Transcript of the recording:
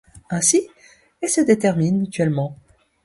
Ainsi, et se déterminent mutuellement.